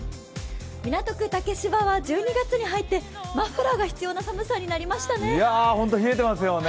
港区竹芝は１２月に入ってマフラーが必要な寒さになりましたね。